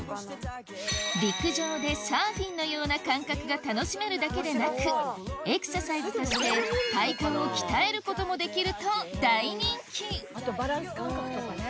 陸上でサーフィンのような感覚が楽しめるだけでなくエクササイズとして体幹を鍛えることもできると大人気あとバランス感覚とかね。